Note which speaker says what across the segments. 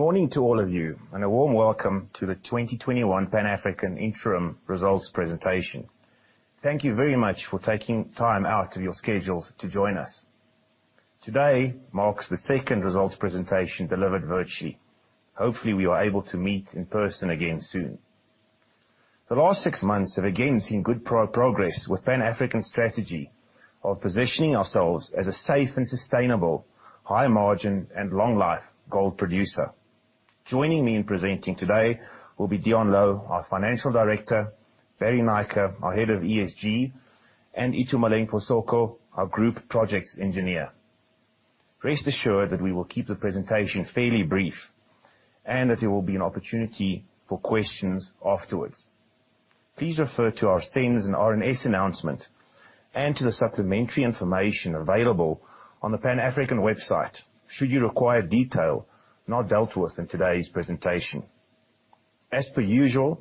Speaker 1: Good morning to all of you, a warm welcome to the 2021 Pan African interim results presentation. Thank you very much for taking time out of your schedules to join us. Today marks the second results presentation delivered virtually. Hopefully, we are able to meet in person again soon. The last six months have again seen good progress with Pan African's strategy of positioning ourselves as a safe and sustainable high margin and long life gold producer. Joining me in presenting today will be Deon Louw, our Financial Director, Barry Naicker, our Head of ESG, and Itumeleng Phoshoko, our Group Projects Engineer. Rest assured that we will keep the presentation fairly brief, and that there will be an opportunity for questions afterwards. Please refer to our SENS and RNS announcement and to the supplementary information available on the Pan African website should you require detail not dealt with in today's presentation. As per usual,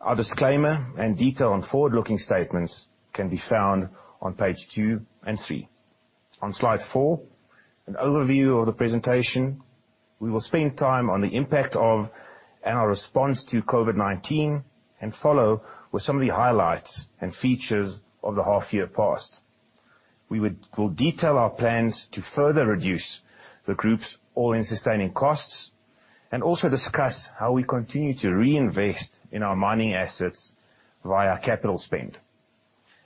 Speaker 1: our disclaimer and detail on forward-looking statements can be found on page two and three. On slide four, an overview of the presentation. We will spend time on the impact of, and our response to COVID-19, and follow with some of the highlights and features of the half year past. We will detail our plans to further reduce the group's all-in sustaining costs, and also discuss how we continue to reinvest in our mining assets via capital spend.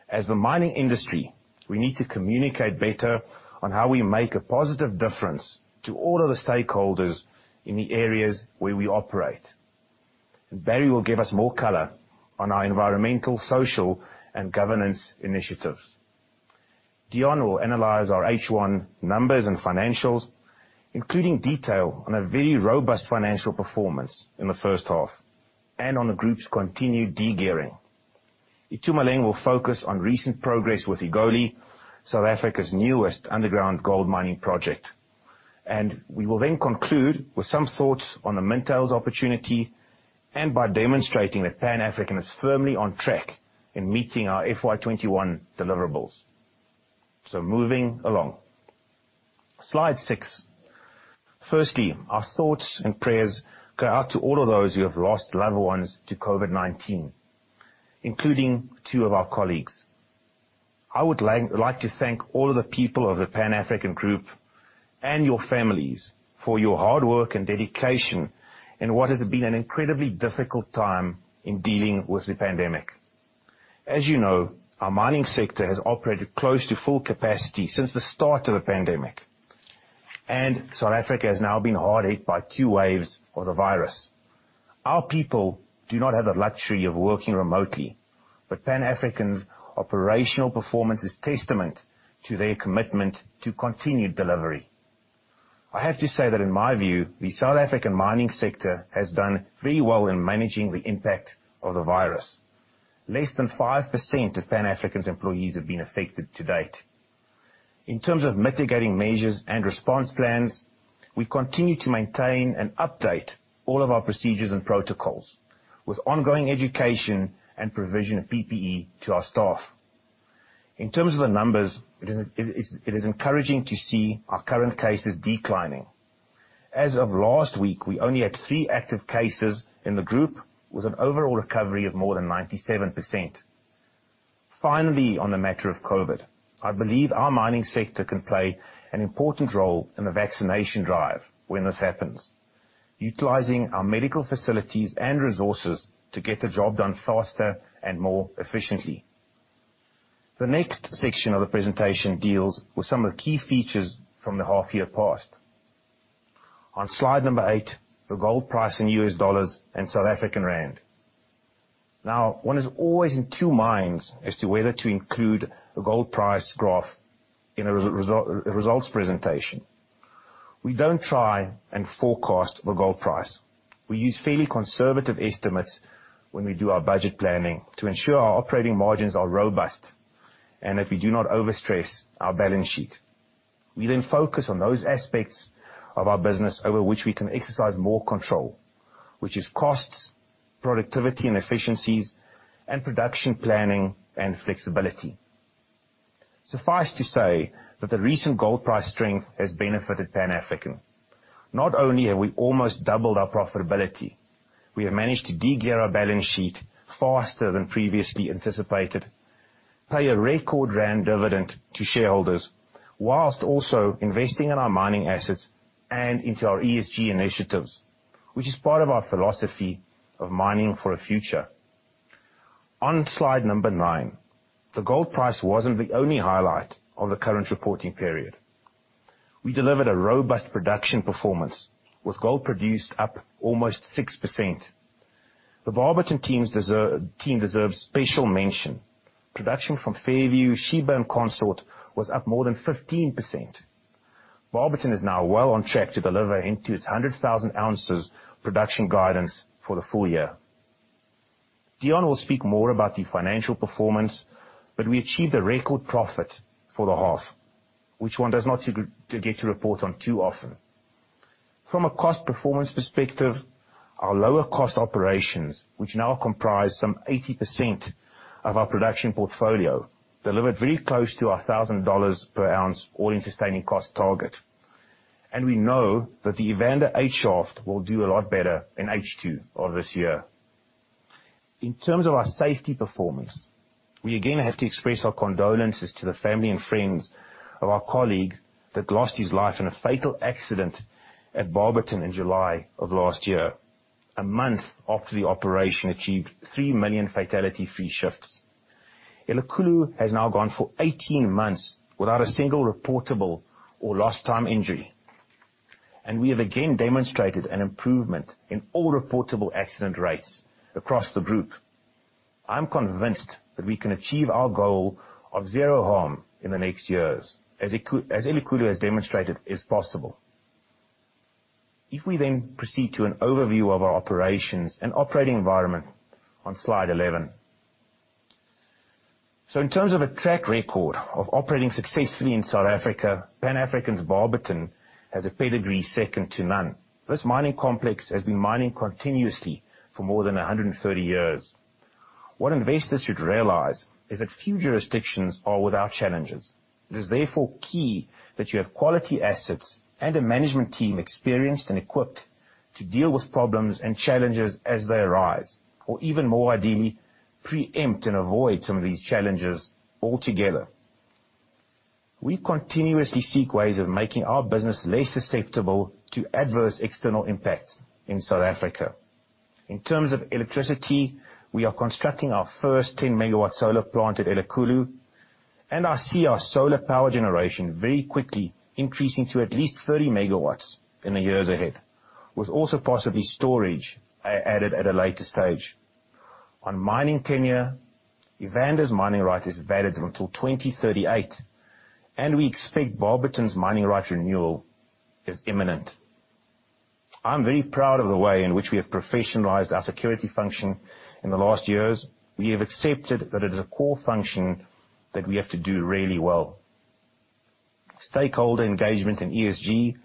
Speaker 1: As the mining industry, we need to communicate better on how we make a positive difference to all of the stakeholders in the areas where we operate. Barry will give us more color on our environmental, social, and governance initiatives. Deon will analyze our H1 numbers and financials, including detail on a very robust financial performance in the first half, and on the group's continued de-gearing. Itumeleng will focus on recent progress with Egoli, South Africa's newest underground gold mining project. We will then conclude with some thoughts on the Mintails opportunity, and by demonstrating that Pan African is firmly on track in meeting our FY 2021 deliverables. Moving along. Slide six. Firstly, our thoughts and prayers go out to all of those who have lost loved ones to COVID-19, including two of our colleagues. I would like to thank all of the people of the Pan African Group, and your families, for your hard work and dedication in what has been an incredibly difficult time in dealing with the pandemic. As you know, our mining sector has operated close to full capacity since the start of the pandemic. South Africa has now been hard hit by two waves of the virus. Our people do not have the luxury of working remotely, but Pan African's operational performance is testament to their commitment to continued delivery. I have to say that in my view, the South African mining sector has done very well in managing the impact of the virus. Less than 5% of Pan African's employees have been affected to date. In terms of mitigating measures and response plans, we continue to maintain and update all of our procedures and protocols with ongoing education and provision of PPE to our staff. In terms of the numbers, it is encouraging to see our current cases declining. As of last week, we only had three active cases in the group, with an overall recovery of more than 97%. Finally, on the matter of COVID, I believe our mining sector can play an important role in the vaccination drive when this happens, utilizing our medical facilities and resources to get the job done faster and more efficiently. The next section of the presentation deals with some of the key features from the half year past. On slide number eight, the gold price in U.S. dollars and South African rand. Now, one is always in two minds as to whether to include a gold price graph in a results presentation. We don't try and forecast the gold price. We use fairly conservative estimates when we do our budget planning to ensure our operating margins are robust, and that we do not overstress our balance sheet. We then focus on those aspects of our business over which we can exercise more control, which is costs, productivity and efficiencies, and production planning and flexibility. Suffice to say that the recent gold price strength has benefited Pan African. Not only have we almost doubled our profitability, we have managed to de-gear our balance sheet faster than previously anticipated, pay a record rand dividend to shareholders, whilst also investing in our mining assets and into our ESG initiatives, which is part of our philosophy of mining for a future. On slide number nine, the gold price wasn't the only highlight of the current reporting period. We delivered a robust production performance, with gold produced up almost 6%. The Barberton team deserves special mention. Production from Fairview, Sheba, and Consort was up more than 15%. Barberton is now well on track to deliver into its 100,000 ounces production guidance for the full year. Deon will speak more about the financial performance, but we achieved a record profit for the half. Which one does not get to report on too often. From a cost performance perspective, our lower cost operations, which now comprise some 80% of our production portfolio, delivered very close to our $1,000 per ounce all-in sustaining cost target. We know that the Evander 8 Shaft will do a lot better in H2 of this year. In terms of our safety performance, we again have to express our condolences to the family and friends of our colleague that lost his life in a fatal accident at Barberton in July of last year, a month after the operation achieved 3 million fatality-free shifts. Elikhulu has now gone for 18 months without a single reportable or lost time injury. We have again demonstrated an improvement in all reportable accident rates across the group. I'm convinced that we can achieve our goal of zero harm in the next years, as Elikhulu has demonstrated is possible. If we proceed to an overview of our operations and operating environment on slide eleven. In terms of a track record of operating successfully in South Africa, Pan African's Barberton has a pedigree second to none. This mining complex has been mining continuously for more than 130 years. What investors should realize is that few jurisdictions are without challenges. It is therefore key that you have quality assets and a management team experienced and equipped to deal with problems and challenges as they arise, or even more ideally, preempt and avoid some of these challenges altogether. We continuously seek ways of making our business less susceptible to adverse external impacts in South Africa. In terms of electricity, we are constructing our first 10-megawatt solar plant at Elikhulu, and I see our solar power generation very quickly increasing to at least 30 megawatts in the years ahead, with also possibly storage added at a later stage. On mining tenure, Evander's mining right is valid until 2038, and we expect Barberton's mining right renewal is imminent. I'm very proud of the way in which we have professionalized our security function in the last years. We have accepted that it is a core function that we have to do really well. Stakeholder engagement and ESG,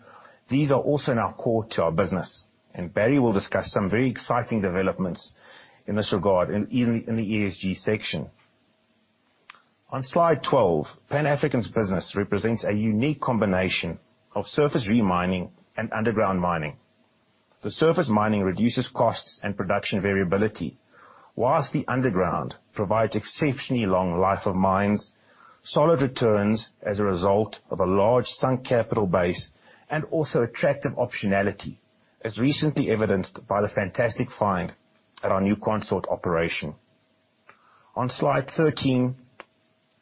Speaker 1: these are also now core to our business, and Barry will discuss some very exciting developments in this regard in the ESG section. On slide 12, Pan African's business represents a unique combination of surface re-mining and underground mining. The surface mining reduces costs and production variability, whilst the underground provides exceptionally long life of mines, solid returns as a result of a large sunk capital base, and also attractive optionality, as recently evidenced by the fantastic find at our new Consort operation. On slide 13,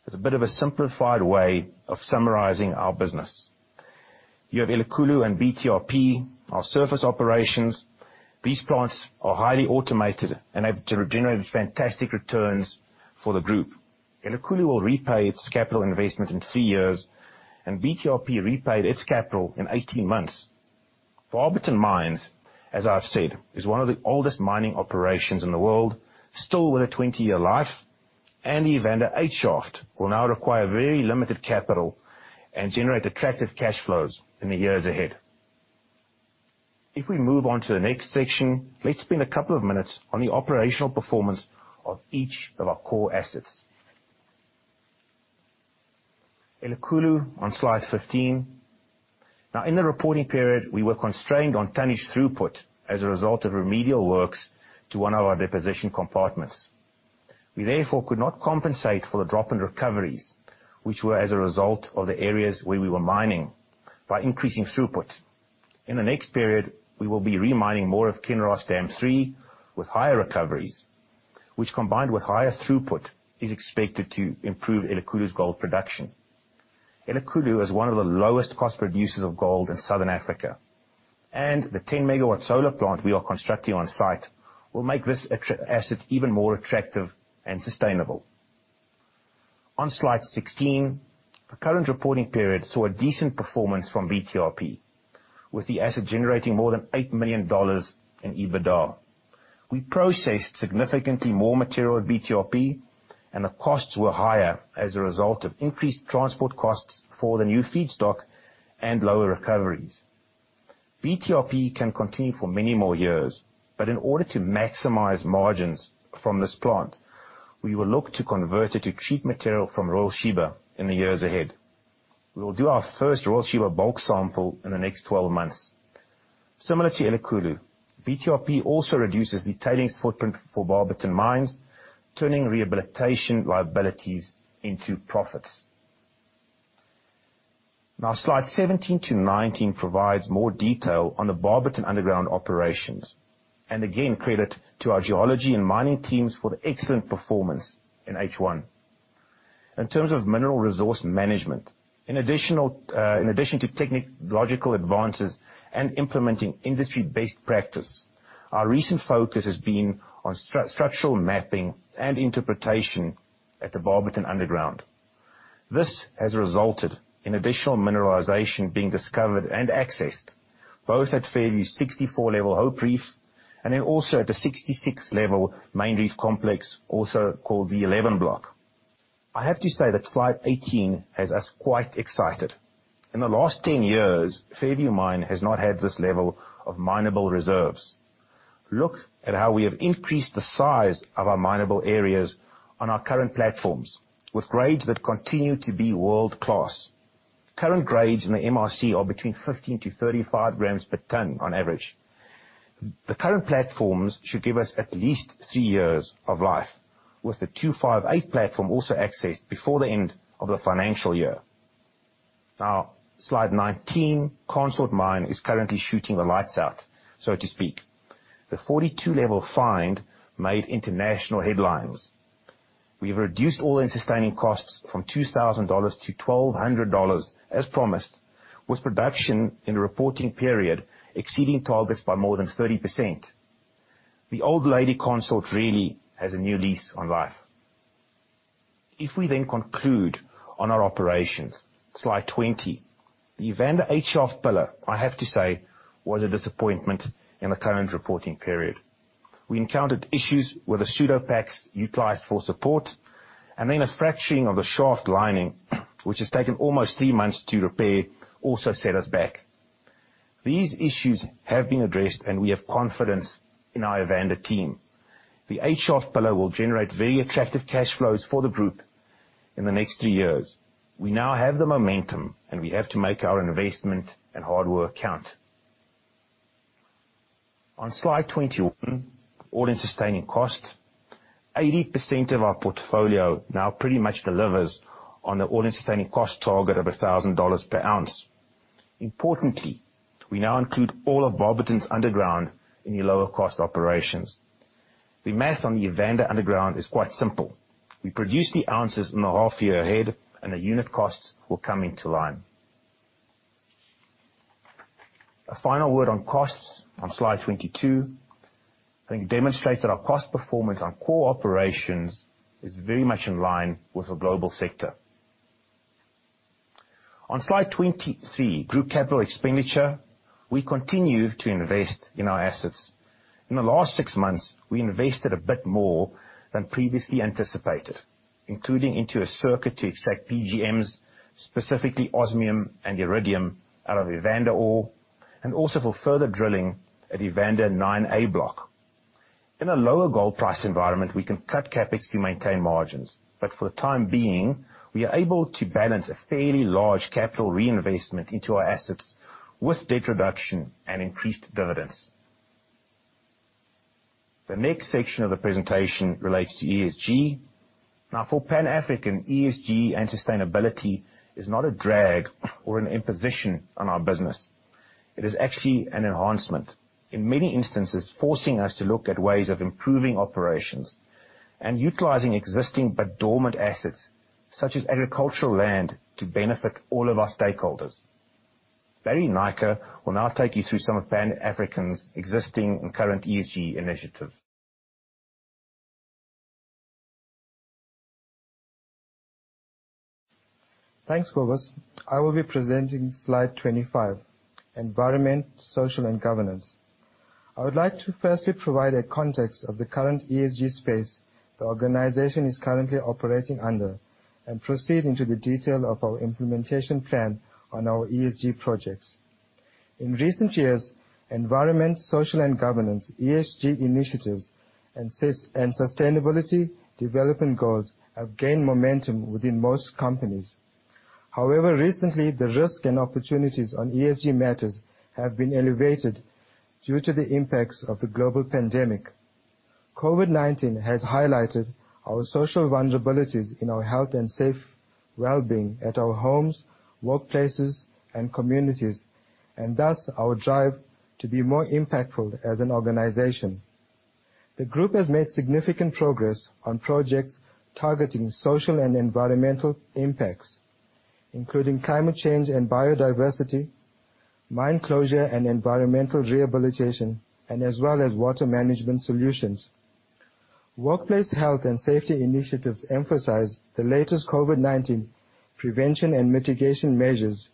Speaker 1: is a bit of a simplified way of summarizing our business. You have Elikhulu and BTRP, our surface operations. These plants are highly automated and have generated fantastic returns for the group. Elikhulu will repay its capital investment in three years, and BTRP repaid its capital in 18 months. Barberton Mines, as I've said, is one of the oldest mining operations in the world, still with a 20-year life, and the Evander 8 Shaft will now require very limited capital and generate attractive cash flows in the years ahead. If we move on to the next section, let's spend a couple of minutes on the operational performance of each of our core assets. Elikhulu on slide 15. Now, in the reporting period, we were constrained on tonnage throughput as a result of remedial works to one of our deposition compartments. We therefore could not compensate for the drop in recoveries, which were as a result of the areas where we were mining, by increasing throughput. In the next period, we will be re-mining more of Kinross Dam 3 with higher recoveries, which combined with higher throughput, is expected to improve Elikhulu's gold production. Elikhulu is one of the lowest cost producers of gold in Southern Africa, and the 10-megawatt solar plant we are constructing on-site will make this asset even more attractive and sustainable. On slide 16, the current reporting period saw a decent performance from BTRP, with the asset generating more than ZAR 8 million in EBITDA. We processed significantly more material at BTRP, and the costs were higher as a result of increased transport costs for the new feedstock and lower recoveries. BTRP can continue for many more years, but in order to maximize margins from this plant, we will look to convert it to treat material from Royal Sheba in the years ahead. We will do our first Royal Sheba bulk sample in the next 12 months. Similar to Elikhulu, BTRP also reduces the tailings footprint for Barberton Mines, turning rehabilitation liabilities into profits. Slides 17 to 19 provides more detail on the Barberton underground operations. Again, credit to our geology and mining teams for the excellent performance in H1. In terms of mineral resource management, in addition to technological advances and implementing industry-based practice, our recent focus has been on structural mapping and interpretation at the Barberton underground. This has resulted in additional mineralization being discovered and accessed, both at Fairview's 64 level Hope Reef, and then also at the 66 level Main Reef Complex, also called the 11 Block. I have to say that slide 18 has us quite excited. In the last 10 years, Fairview Mine has not had this level of mineable reserves. Look at how we have increased the size of our mineable areas on our current platforms, with grades that continue to be world-class. Current grades in the MRC are between 15-35 grams per ton on average. The current platforms should give us at least three years of life, with the 258 platform also accessed before the end of the financial year. Slide 19. Consort Mine is currently shooting the lights out, so to speak. The 42-level find made international headlines. We have reduced all-in sustaining costs from $2,000 to ZAR 1,200, as promised, with production in the reporting period exceeding targets by more than 30%. The old lady Consort really has a new lease on life. If we conclude on our operations, slide 20. The Evander 8 Shaft pillar, I have to say, was a disappointment in the current reporting period. We encountered issues with the pseudopacks utilized for support, and then a fracturing of the shaft lining, which has taken almost three months to repair, also set us back. These issues have been addressed, and we have confidence in our Evander team. The 8 Shaft pillar will generate very attractive cash flows for the group in the next three years. We now have the momentum, and we have to make our investment and hard work count. On slide 21, all-in sustaining cost. 80% of our portfolio now pretty much delivers on the all-in sustaining cost target of ZAR 1,000 per ounce. Importantly, we now include all of Barberton's underground in the lower cost operations. The math on the Evander underground is quite simple. We produce the ounces in the half year ahead, and the unit costs will come into line. A final word on costs on slide 22, I think demonstrates that our cost performance on core operations is very much in line with the global sector. On slide 23, group capital expenditure. We continue to invest in our assets. In the last six months, we invested a bit more than previously anticipated, including into a circuit to extract PGMs, specifically osmium and iridium, out of Evander ore, and also for further drilling at Evander 9A block. In a lower gold price environment, we can cut CapEx to maintain margins. For the time being, we are able to balance a fairly large capital reinvestment into our assets with debt reduction and increased dividends. The next section of the presentation relates to ESG. Now for Pan African, ESG and sustainability is not a drag or an imposition on our business. It is actually an enhancement, in many instances, forcing us to look at ways of improving operations and utilizing existing but dormant assets, such as agricultural land, to benefit all of our stakeholders. Barry Naicker will now take you through some of Pan African's existing and current ESG initiatives.
Speaker 2: Thanks, Cobus. I will be presenting slide 25, Environment, Social, and Governance. I would like to firstly provide a context of the current ESG space the organization is currently operating under and proceed into the detail of our implementation plan on our ESG projects. In recent years, Environment, Social, and Governance, ESG initiatives, and sustainability development goals have gained momentum within most companies. However, recently, the risk and opportunities on ESG matters have been elevated due to the impacts of the global pandemic. COVID-19 has highlighted our social vulnerabilities in our health and safe well-being at our homes, workplaces, and communities, and thus our drive to be more impactful as an organization. The group has made significant progress on projects targeting social and environmental impacts, including climate change and biodiversity, mine closure and environmental rehabilitation, and as well as water management solutions. Workplace health and safety initiatives emphasize the latest COVID-19 prevention and mitigation measures,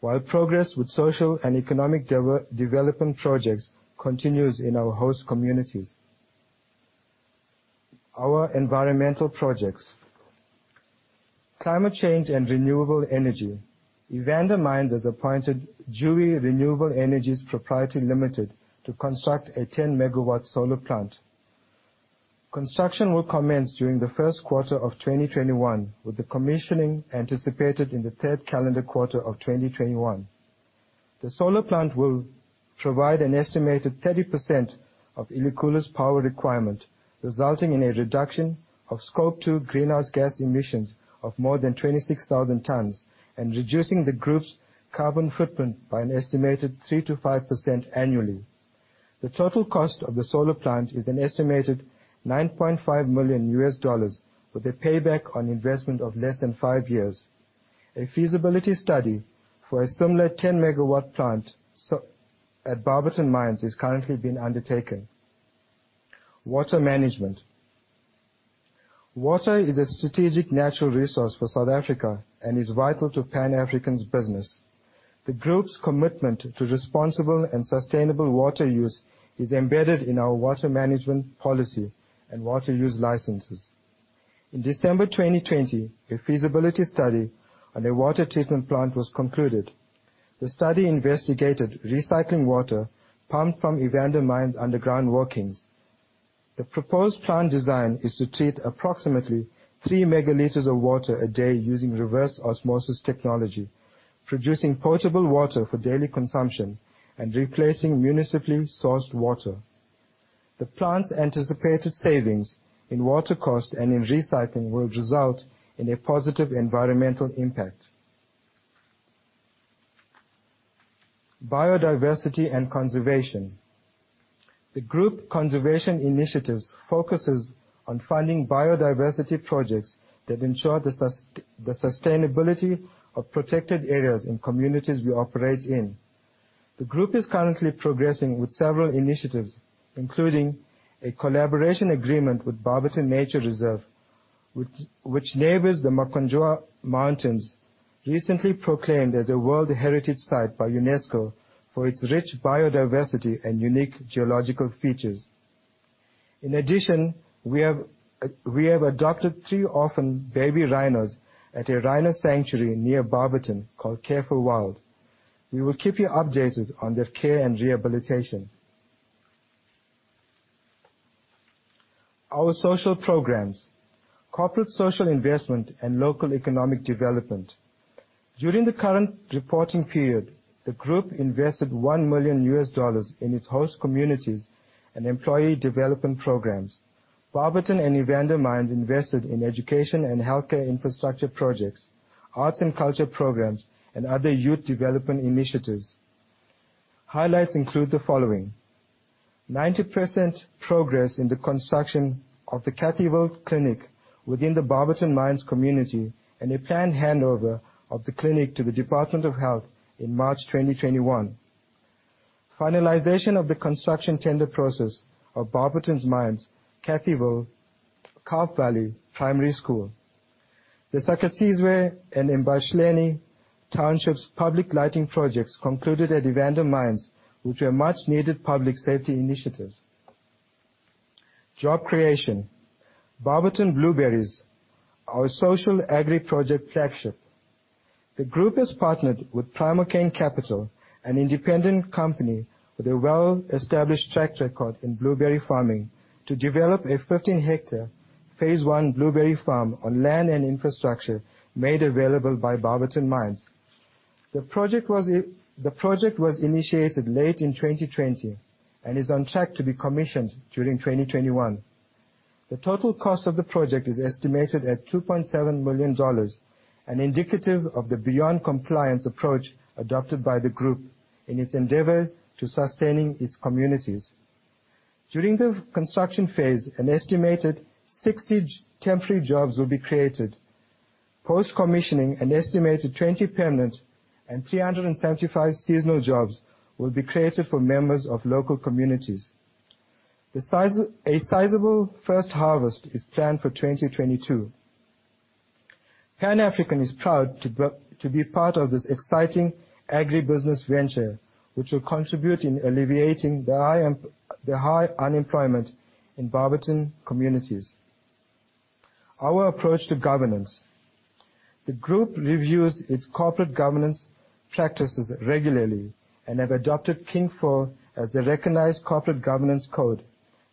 Speaker 2: while progress with social and economic development projects continues in our host communities. Our environmental projects. Climate change and renewable energy. Evander Mines has appointed JUWI Renewable Energies Proprietary Limited to construct a 10-megawatt solar plant. Construction will commence during the first quarter of 2021, with the commissioning anticipated in the third calendar quarter of 2021. The solar plant will provide an estimated 30% of Elikhulu's power requirement, resulting in a reduction of scope to greenhouse gas emissions of more than 26,000 tons and reducing the group's carbon footprint by an estimated 3%-5% annually. The total cost of the solar plant is an estimated $9.5 million, with a payback on investment of less than five years. A feasibility study for a similar 10-megawatt plant at Barberton Mines is currently being undertaken. Water management. Water is a strategic natural resource for South Africa and is vital to Pan African Resources' business. The group's commitment to responsible and sustainable water use is embedded in our water management policy and water use licenses. In December 2020, a feasibility study on a water treatment plant was concluded. The study investigated recycling water pumped from Evander Mines' underground workings. The proposed plant design is to treat approximately three megaliters of water a day using reverse osmosis technology, producing potable water for daily consumption and replacing municipally sourced water. The plant's anticipated savings in water cost and in recycling will result in a positive environmental impact. Biodiversity and conservation. The group conservation initiatives focuses on funding biodiversity projects that ensure the sustainability of protected areas in communities we operate in. The group is currently progressing with several initiatives, including a collaboration agreement with Barberton Nature Reserve, which neighbors the Makhonjwa Mountains, recently proclaimed as a world heritage site by UNESCO for its rich biodiversity and unique geological features. In addition, we have adopted three orphan baby rhinos at a rhino sanctuary near Barberton called Care for Wild. We will keep you updated on their care and rehabilitation. Our social programs, corporate social investment, and local economic development. During the current reporting period, the group invested $1 million in its host communities and employee development programs. Barberton and Evander Mine invested in education and healthcare infrastructure projects, arts and culture programs, and other youth development initiatives. Highlights include the following. 90% progress in the construction of the Cathyville clinic within the Barberton Mines community, and a planned handover of the clinic to the Department of Health in March 2021. Finalization of the construction tender process of Barberton Mines, Cathyville, Kaapvallei Primary School. The Sakheziswe and eMbalenhle Townships public lighting projects concluded at Evander Mines, which were much needed public safety initiatives. Job creation. Barberton Blueberries, our social agri project flagship. The group has partnered with Primocane Capital, an independent company with a well-established track record in blueberry farming, to develop a 15-hectare phase one blueberry farm on land and infrastructure made available by Barberton Mines. The project was initiated late in 2020 and is on track to be commissioned during 2021. The total cost of the project is estimated at ZAR 2.7 million, and indicative of the beyond compliance approach adopted by the group in its endeavor to sustaining its communities. During the construction phase, an estimated 60 temporary jobs will be created. Post-commissioning, an estimated 20 permanent and 375 seasonal jobs will be created for members of local communities. A sizable first harvest is planned for 2022. Pan African is proud to be part of this exciting agribusiness venture, which will contribute in alleviating the high unemployment in Barberton communities. Our approach to governance. The group reviews its corporate governance practices regularly and have adopted King IV as a recognized corporate governance code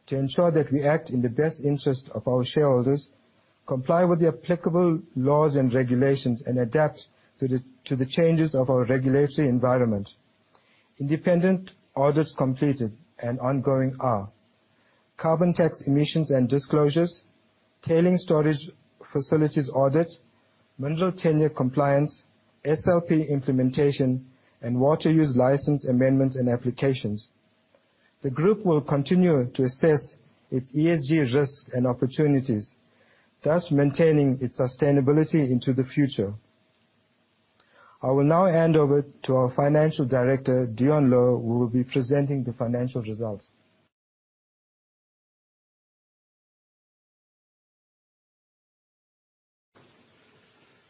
Speaker 2: to ensure that we act in the best interest of our shareholders, comply with the applicable laws and regulations, and adapt to the changes of our regulatory environment. Independent audits completed and ongoing are Carbon Tax emissions and disclosures, tailing storage facilities audit, mineral tenure compliance, SLP implementation, and water use license amendments and applications. The group will continue to assess its ESG risks and opportunities, thus maintaining its sustainability into the future. I will now hand over to our Financial Director, Deon Louw, who will be presenting the financial results.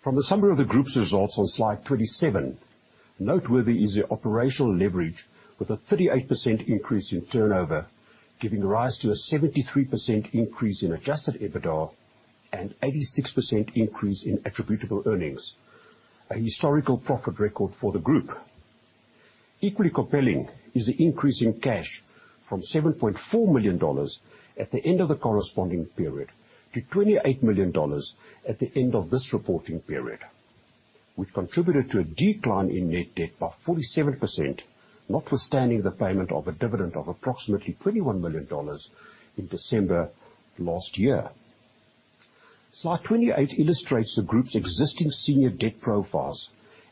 Speaker 3: From the summary of the group's results on slide 27, noteworthy is the operational leverage with a 38% increase in turnover, giving rise to a 73% increase in adjusted EBITDA and 86% increase in attributable earnings, a historical profit record for the group. Equally compelling is the increase in cash from ZAR 7.4 million at the end of the corresponding period to ZAR 28 million at the end of this reporting period, which contributed to a decline in net debt by 47%, notwithstanding the payment of a dividend of approximately ZAR 21 million in December last year. Slide 28 illustrates the group's existing senior debt profiles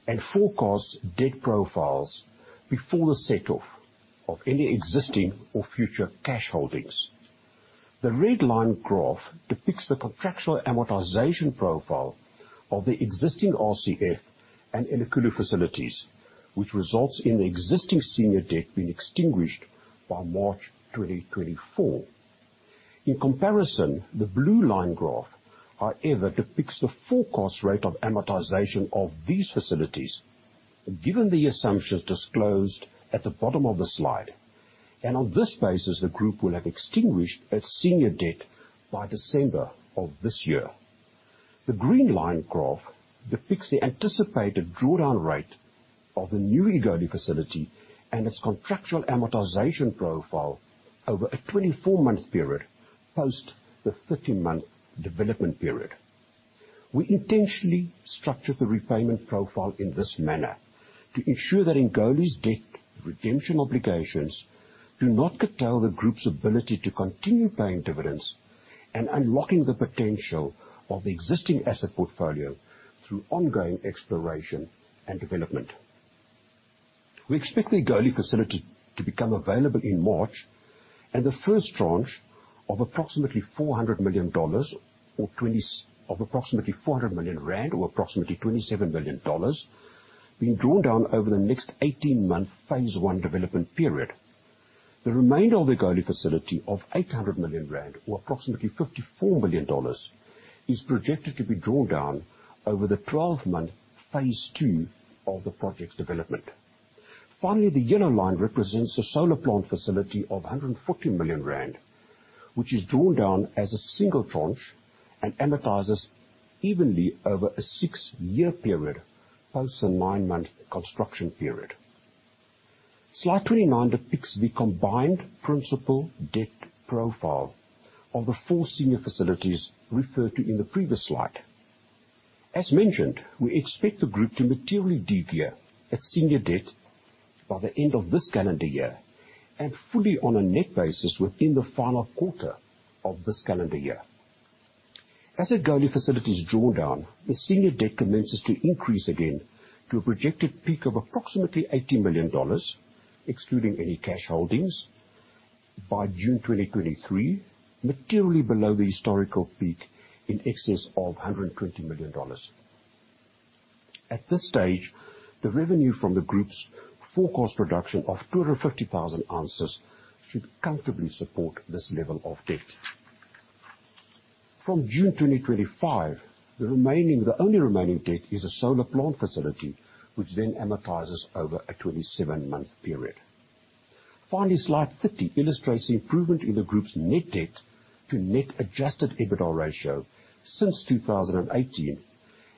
Speaker 3: and forecasts debt profiles before the set-off of any existing or future cash holdings. The red line graph depicts the contractual amortization profile of the existing RCF and Elikhulu facilities, which results in the existing senior debt being extinguished by March 2024. In comparison, the blue line graph, however, depicts the full cost rate of amortization of these facilities given the assumptions disclosed at the bottom of the slide. On this basis, the group will have extinguished its senior debt by December of this year. The green line graph depicts the anticipated drawdown rate of the new Egoli facility and its contractual amortization profile over a 24-month period post the 13-month development period. We intentionally structured the repayment profile in this manner to ensure that Egoli's debt redemption obligations do not curtail the group's ability to continue paying dividends and unlocking the potential of the existing asset portfolio through ongoing exploration and development. We expect the Egoli facility to become available in March, and the first tranche of approximately ZAR 400 million or approximately $27 million being drawn down over the next 18-month phase 1 development period. The remainder of the Egoli facility of 800 million rand or approximately $54 million is projected to be drawn down over the 12-month phase 2 of the project's development. Finally, the yellow line represents the solar plant facility of 140 million rand, which is drawn down as a single tranche and amortizes evenly over a six-year period post the nine-month construction period. Slide 29 depicts the combined principal debt profile of the four senior facilities referred to in the previous slide. As mentioned, we expect the group to materially de-gear its senior debt by the end of this calendar year and fully on a net basis within the final quarter of this calendar year. As Egoli facilities draw down, the senior debt commences to increase again to a projected peak of approximately $80 million, excluding any cash holdings by June 2023, materially below the historical peak in excess of $120 million. At this stage, the revenue from the group's forecast production of 250,000 ounces should comfortably support this level of debt. From June 2025, the only remaining debt is a solar plant facility, which then amortizes over a 27-month period. Finally, slide 30 illustrates the improvement in the group's net debt to net adjusted EBITDA ratio since 2018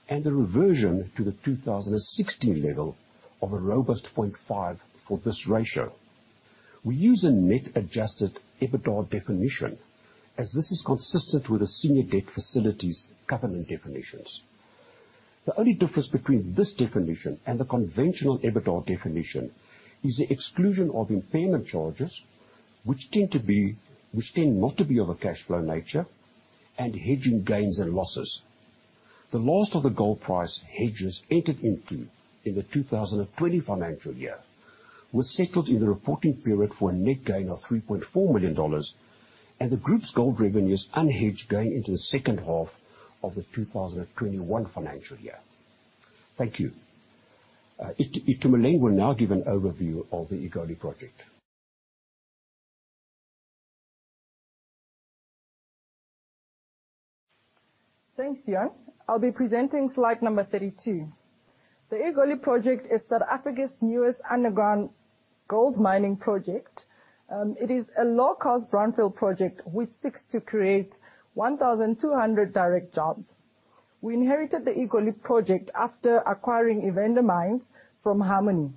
Speaker 3: and the reversion to the 2016 level of a robust 0.5 for this ratio. We use a net adjusted EBITDA definition as this is consistent with the senior debt facility's covenant definitions. The only difference between this definition and the conventional EBITDA definition is the exclusion of impairment charges, which tend not to be of a cash flow nature and hedging gains and losses. The last of the gold price hedges entered into in the 2020 financial year was settled in the reporting period for a net gain of $3.4 million, and the group's gold revenue is unhedged going into the second half of the 2021 financial year. Thank you. Itumeleng will now give an overview of the Egoli project.
Speaker 4: Thanks, Deon. I'll be presenting slide number 32. The Egoli project is South Africa's newest underground gold mining project. It is a low-cost brownfield project which seeks to create 1,200 direct jobs. We inherited the Egoli project after acquiring Evander Mines from Harmony.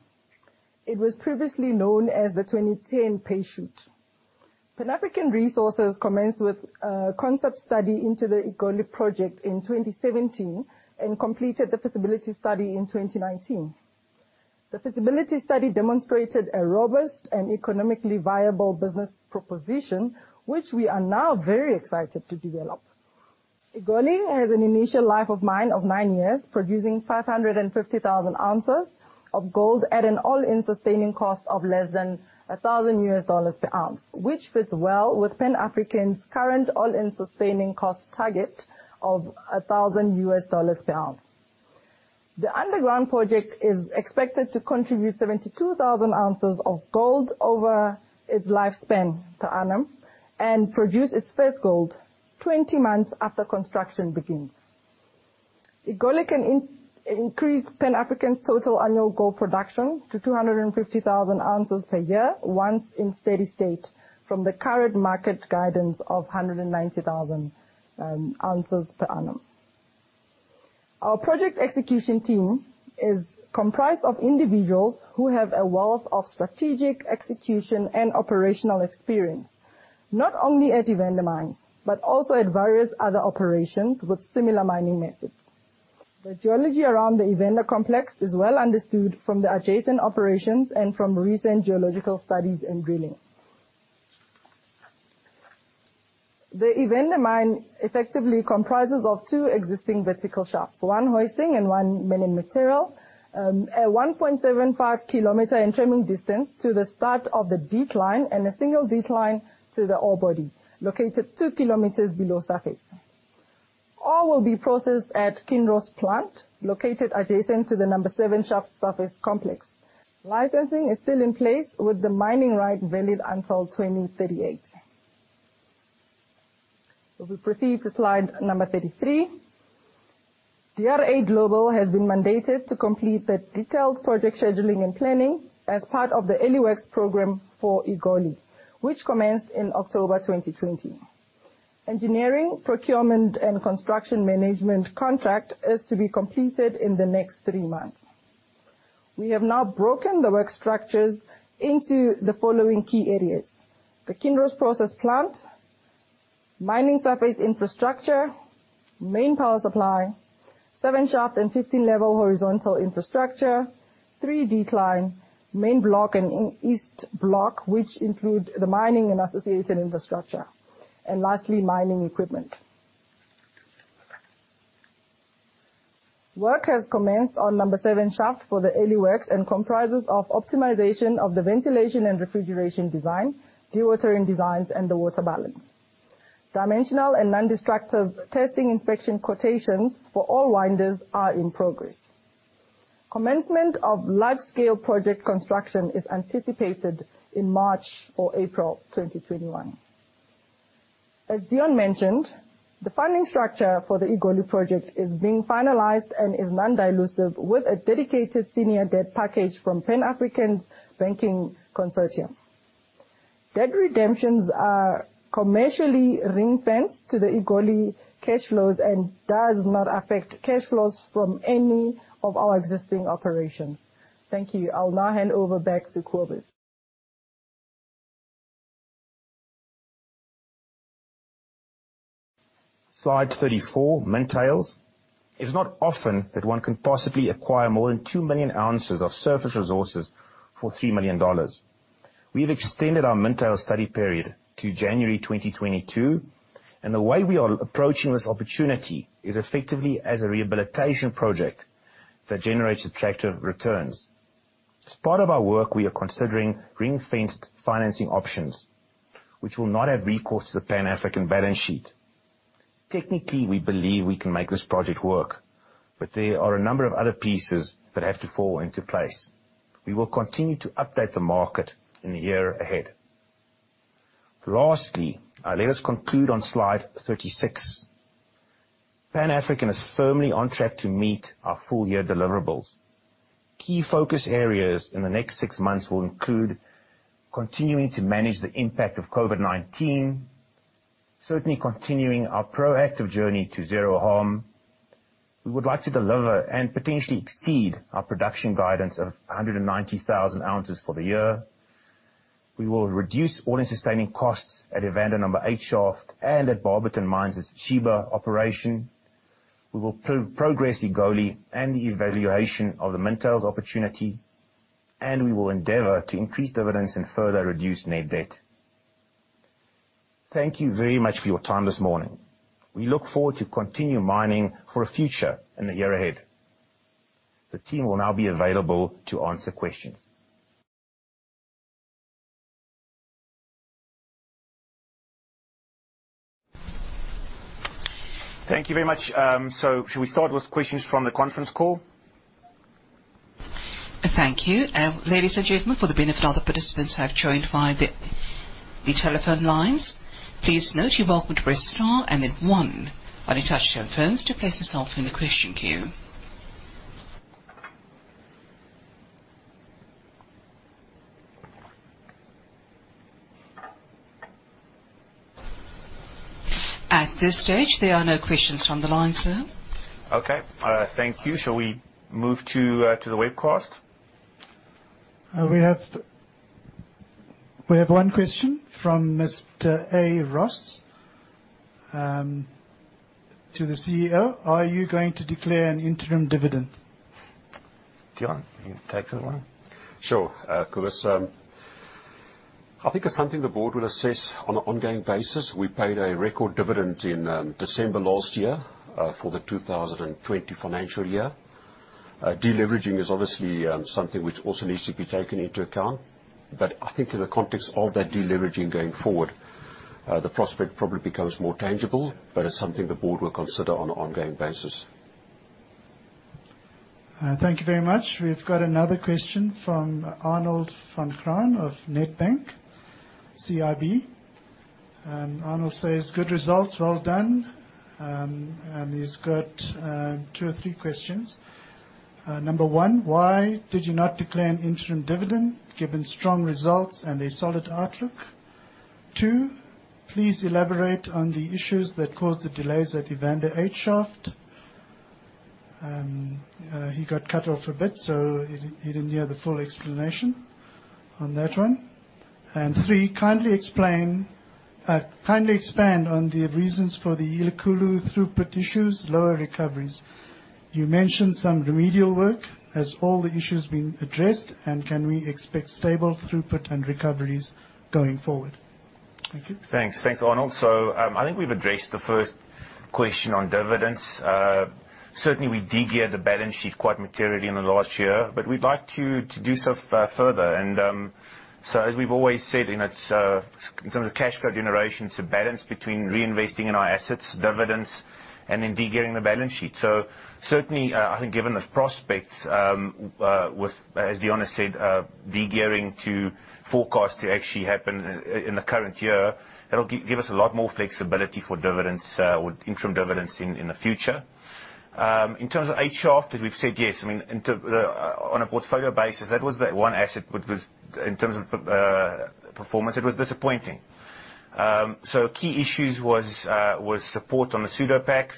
Speaker 4: It was previously known as the 2010 Pay Shoot. Pan African Resources commenced with a concept study into the Egoli project in 2017 and completed the feasibility study in 2019. The feasibility study demonstrated a robust and economically viable business proposition, which we are now very excited to develop. Egoli has an initial life of mine of nine years, producing 550,000 ounces of gold at an all-in sustaining cost of less than $1,000 per ounce, which fits well with Pan African's current all-in sustaining cost target of $1,000 per ounce. The underground project is expected to contribute 72,000 ounces of gold over its lifespan per annum and produce its first gold 20 months after construction begins. Egoli can increase Pan African's total annual gold production to 250,000 ounces per year once in steady state from the current market guidance of 190,000 ounces per annum. Our project execution team is comprised of individuals who have a wealth of strategic execution and operational experience, not only at Evander Mines but also at various other operations with similar mining methods. The geology around the Evander complex is well understood from the adjacent operations and from recent geological studies and drilling. The Evander Mines effectively comprises of two existing vertical shafts, one hoisting and one mining material, a 1.75-kilometer engraving distance to the start of the decline and a single decline to the ore body located 2 kilometers below surface. Ore will be processed at Kinross plant, located adjacent to the number 7 shaft surface complex. Licensing is still in place, with the mining right valid until 2038. If we proceed to slide number 33. DRA Global has been mandated to complete the detailed project scheduling and planning as part of the early works program for Egoli, which commenced in October 2020. Engineering, procurement, and construction management contract is to be completed in the next three months. We have now broken the work structures into the following key areas. The Kinross process plant, mining surface infrastructure, main power supply, 7 shaft and 15-level horizontal infrastructure, three decline, main block and east block, which include the mining and associated infrastructure. Lastly, mining equipment. Work has commenced on number 7 shaft for the early works, and comprises of optimization of the ventilation and refrigeration design, dewatering designs, and the water balance. Dimensional and non-destructive testing inspection quotations for all winders are in progress. Commencement of large-scale project construction is anticipated in March or April 2021. As Deon mentioned, the funding structure for the Egoli project is being finalized and is non-dilutive with a dedicated senior debt package from Pan African Resources's banking consortium. Debt redemptions are commercially ring-fenced to the Egoli cash flows and does not affect cash flows from any of our existing operations. Thank you. I'll now hand over back to Cobus.
Speaker 1: Slide 34, Mintails. It's not often that one can possibly acquire more than 2 million ounces of surface resources for ZAR 3 million. We've extended our Mintails study period to January 2022. The way we are approaching this opportunity is effectively as a rehabilitation project that generates attractive returns. As part of our work, we are considering ring-fenced financing options, which will not have recourse to the Pan African balance sheet. Technically, we believe we can make this project work. There are a number of other pieces that have to fall into place. We will continue to update the market in the year ahead. Lastly, let us conclude on slide 36. Pan African is firmly on track to meet our full-year deliverables. Key focus areas in the next six months will include continuing to manage the impact of COVID-19, certainly continuing our proactive journey to zero harm. We would like to deliver and potentially exceed our production guidance of 190,000 ounces for the year. We will reduce all-in sustaining cost at Evander number 8 shaft and at Barberton Mines' Sheba operation. We will progress Egoli and the evaluation of the Mintails opportunity, and we will endeavor to increase dividends and further reduce net debt. Thank you very much for your time this morning. We look forward to continue mining for a future in the year ahead. The team will now be available to answer questions.
Speaker 5: Thank you very much. Should we start with questions from the conference call?
Speaker 6: Thank you. At this stage, there are no questions from the line, sir.
Speaker 1: Okay. Thank you. Shall we move to the webcast?
Speaker 5: We have one question from Mr. A. Ross to the CEO. Are you going to declare an interim dividend?
Speaker 1: Deon, you can take that one.
Speaker 3: Sure, Cobus. I think it's something the board will assess on an ongoing basis. We paid a record dividend in December last year, for the 2020 financial year. Deleveraging is obviously something which also needs to be taken into account. I think in the context of that deleveraging going forward, the prospect probably becomes more tangible. It's something the board will consider on an ongoing basis.
Speaker 5: Thank you very much. We've got another question from Arnold van Graan of Nedbank CIB. Arnold says, "Good results. Well done." He's got two or three questions. Number one, "why did you not declare an interim dividend given strong results and a solid outlook? Two, please elaborate on the issues that caused the delays at Evander 8 shaft." He got cut off a bit, so he didn't hear the full explanation on that one. "Three, kindly expand on the reasons for the Elikhulu throughput issues, lower recoveries. You mentioned some remedial work. Has all the issues been addressed, and can we expect stable throughput and recoveries going forward?" Thank you.
Speaker 1: Thanks, Arnold. I think we've addressed the first question on dividends. Certainly, we de-geared the balance sheet quite materially in the last year, but we'd like to do so further. As we've always said, in terms of cash flow generation, it's a balance between reinvesting in our assets, dividends, and then de-gearing the balance sheet. Certainly, I think given the prospects, as Deon said, de-gearing to forecast to actually happen in the current year, it'll give us a lot more flexibility for dividends or interim dividends in the future. In terms of 8 shaft, as we've said, yes, on a portfolio basis, that was the one asset which was, in terms of performance, it was disappointing. Key issues was support on the pseudopacks.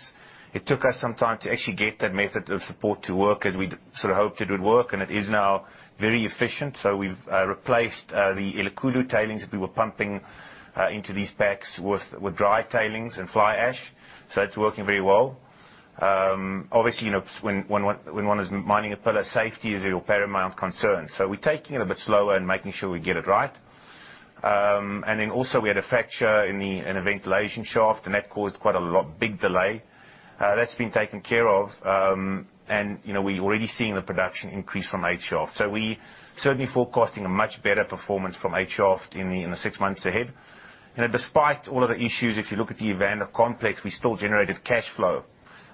Speaker 1: It took us some time to actually get that method of support to work as we'd sort of hoped it would work, and it is now very efficient. We've replaced the Elikhulu tailings that we were pumping into these packs with dry tailings and fly ash. Obviously, when one is mining a pillar, safety is your paramount concern. We're taking it a bit slower and making sure we get it right. Also we had a fracture in a ventilation shaft, and that caused quite a big delay. That's been taken care of, and we're already seeing the production increase from 8 shaft. We're certainly forecasting a much better performance from 8 shaft in the six months ahead. Despite all of the issues, if you look at the Evander complex, we still generated cash flow,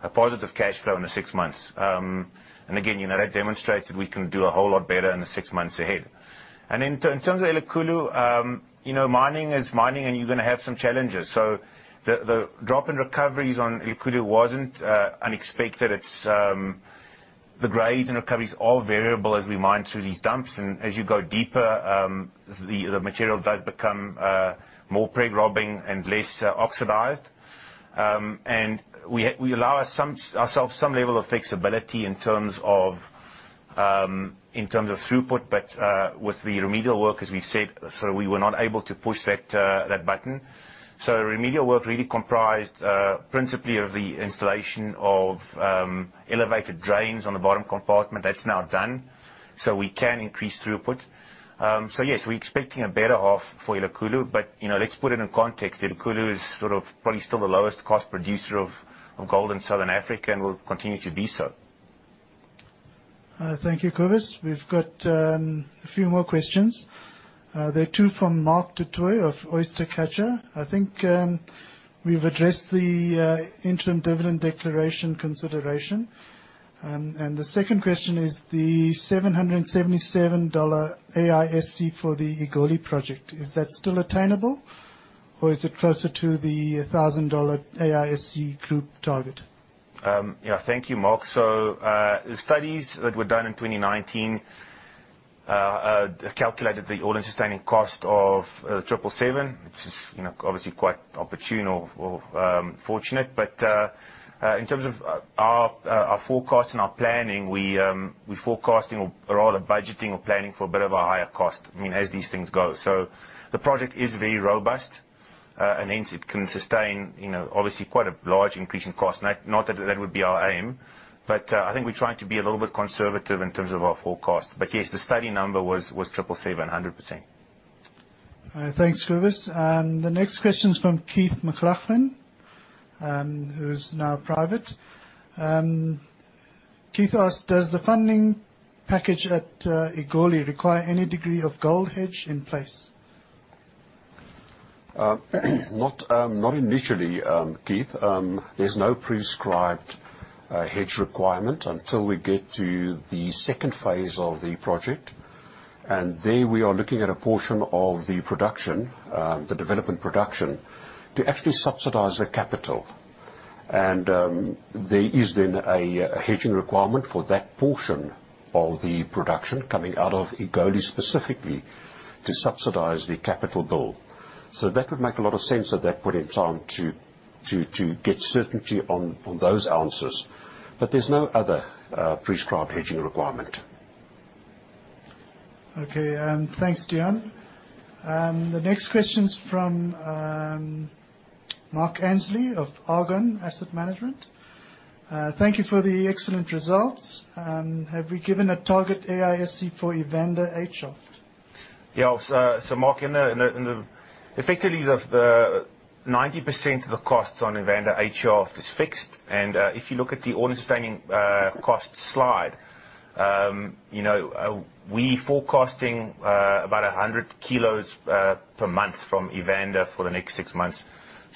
Speaker 1: a positive cash flow in the six months. Again, that demonstrates that we can do a whole lot better in the six months ahead. In terms of Elikhulu, mining is mining and you're gonna have some challenges. The drop in recoveries on Elikhulu wasn't unexpected. The grades and recoveries are variable as we mine through these dumps. As you go deeper, the material does become more preg-robbing and less oxidized. We allow ourselves some level of flexibility in terms of throughput, but with the remedial work, as we've said, so we were not able to push that button. Remedial work really comprised principally of the installation of elevated drains on the bottom compartment. That's now done, so we can increase throughput. Yes, we're expecting a better half for Elikhulu. Let's put it in context. Elikhulu is sort of probably still the lowest cost producer of gold in Southern Africa and will continue to be so.
Speaker 5: Thank you, Cobus. We've got a few more questions. They're two from Mark du Toit of Oyster Catcher. I think we've addressed the interim dividend declaration consideration. The second question is the $777 AISC for the Egoli project. Is that still attainable or is it closer to the $1,000 AISC group target?
Speaker 1: Yeah. Thank you, Mark. The studies that were done in 2019 calculated the all-in-sustaining cost of $777, which is obviously quite opportune or fortunate. In terms of our forecast and our planning, we're forecasting or rather budgeting or planning for a bit of a higher cost, as these things go. The project is very robust, and hence it can sustain obviously quite a large increase in cost. Not that that would be our aim, but I think we're trying to be a little bit conservative in terms of our forecast. Yes, the study number was $777, 100%.
Speaker 5: Thanks, Cobus. The next question is from Keith McLaughlin, who is now private. Keith asks, "Does the funding package at Egoli require any degree of gold hedge in place?
Speaker 3: Not initially, Keith. There's no prescribed hedge requirement until we get to the second phase of the project. There we are looking at a portion of the production, the development production, to actually subsidize the capital. There is then a hedging requirement for that portion of the production coming out of Egoli specifically to subsidize the capital build. That would make a lot of sense at that point in time to get certainty on those answers. There's no other prescribed hedging requirement.
Speaker 5: Okay. Thanks, Deon. The next question is from Mark Ansley of Argon Asset Management. Thank you for the excellent results. Have we given a target AISC for Evander 8 shaft?
Speaker 1: Yeah. Mark, effectively 90% of the costs on Evander 8 shaft is fixed. If you look at the all-in sustaining cost slide, we're forecasting about 100 kilos per month from Evander for the next six months.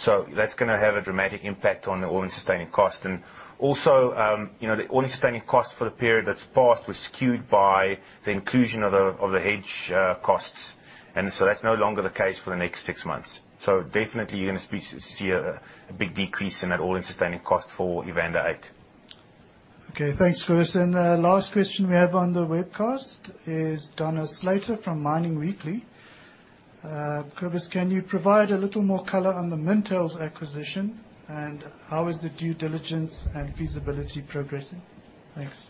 Speaker 1: That's going to have a dramatic impact on the all-in sustaining cost. Also, the all-in sustaining cost for the period that's passed was skewed by the inclusion of the hedge costs. That's no longer the case for the next six months. Definitely you're going to see a big decrease in that all-in sustaining cost for Evander 8.
Speaker 5: Okay. Thanks, Cobus. The last question we have on the webcast is Donna Slater from Mining Weekly. Cobus, can you provide a little more color on the Mintails acquisition and how is the due diligence and feasibility progressing? Thanks.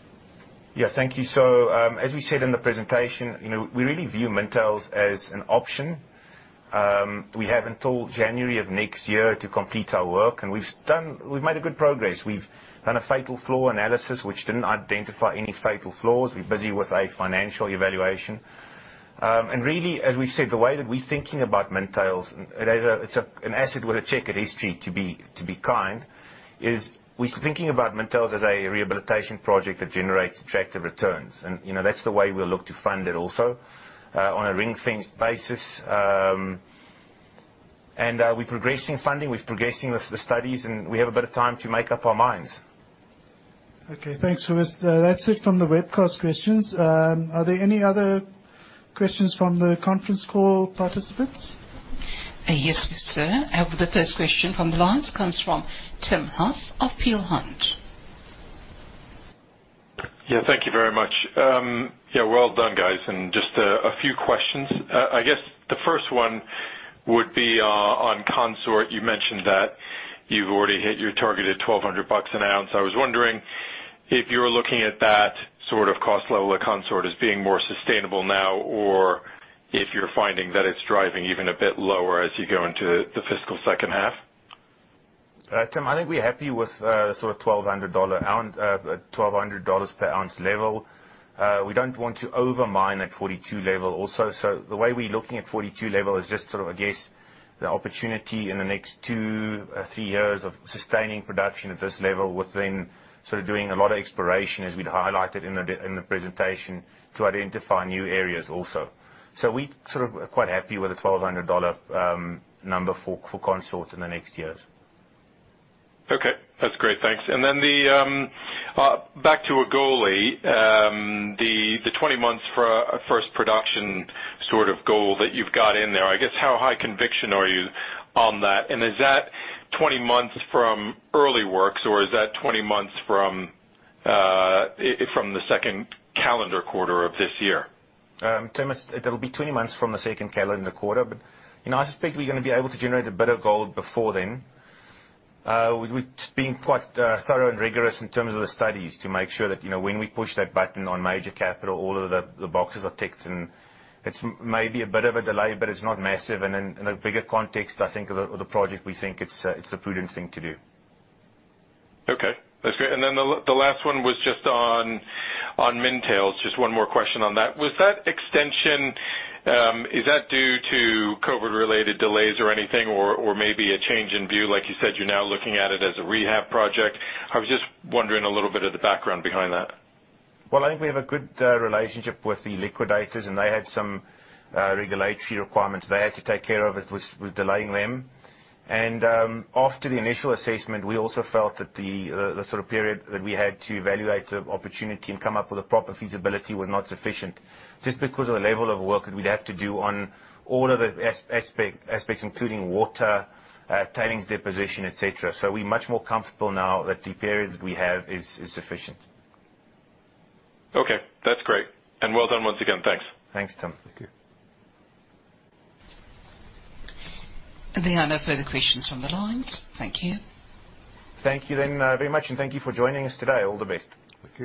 Speaker 1: Yeah. Thank you. As we said in the presentation, we really view Mintails as an option. We have until January of next year to complete our work, and we've made a good progress. We've done a fatal flaw analysis, which didn't identify any fatal flaws. We're busy with a financial evaluation. Really, as we've said, the way that we're thinking about Mintails, it's an asset with a checkered history, to be kind. Is we're thinking about Mintails as a rehabilitation project that generates attractive returns. That's the way we'll look to fund it also, on a ring-fenced basis. We're progressing funding, we're progressing the studies, and we have a bit of time to make up our minds.
Speaker 5: Okay, thanks, Cobus. That's it from the webcast questions. Are there any other questions from the conference call participants?
Speaker 6: Yes, sir. I have the first question from the lines, comes from Tim Huff of Peel Hunt.
Speaker 7: Thank you very much. Well done, guys. Just a few questions. I guess the first one would be on Consort. You mentioned that you've already hit your target at $1,200 an ounce. I was wondering if you're looking at that sort of cost level at Consort as being more sustainable now, or if you're finding that it's driving even a bit lower as you go into the fiscal second half.
Speaker 1: Tim, I think we're happy with sort of ZAR 1,200 per ounce level. We don't want to over-mine that 42 level also. The way we're looking at 42 level is just sort of, I guess, the opportunity in the next two or three years of sustaining production at this level within sort of doing a lot of exploration, as we'd highlighted in the presentation, to identify new areas also. We sort of are quite happy with the ZAR 1,200 number for Consort in the next years.
Speaker 7: Okay. That's great. Thanks. Back to Egoli, the 20 months for first production sort of goal that you've got in there. I guess, how high conviction are you on that? Is that 20 months from early works, or is that 20 months from the second calendar quarter of this year?
Speaker 1: Tim, it'll be 20 months from the second calendar quarter. I suspect we're going to be able to generate a bit of gold before then. We're just being quite thorough and rigorous in terms of the studies to make sure that when we push that button on major capital, all of the boxes are ticked, and it's maybe a bit of a delay, but it's not massive. In the bigger context, I think of the project, we think it's a prudent thing to do.
Speaker 7: Okay. That's great. The last one was just on Mintails. Just one more question on that. Was that extension, is that due to COVID-related delays or anything? Maybe a change in view? Like you said, you're now looking at it as a rehab project. I was just wondering a little bit of the background behind that.
Speaker 1: Well, I think we have a good relationship with the liquidators, and they had some regulatory requirements they had to take care of, it was delaying them. After the initial assessment, we also felt that the sort of period that we had to evaluate the opportunity and come up with a proper feasibility was not sufficient. Just because of the level of work that we'd have to do on all of the aspects, including water, tailings deposition, et cetera. We're much more comfortable now that the period we have is sufficient.
Speaker 7: Okay, that's great. Well done once again. Thanks.
Speaker 1: Thanks, Tim.
Speaker 5: Thank you.
Speaker 6: There are no further questions from the lines. Thank you.
Speaker 1: Thank you, very much, and thank you for joining us today. All the best.
Speaker 5: Thank you